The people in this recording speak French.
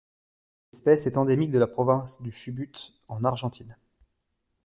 Cette espèce est endémique de la province du Chubut en Argentine.